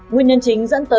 nguyên nhân chính dẫn tới